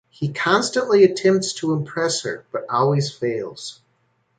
He constantly attempts to impress her but always fails.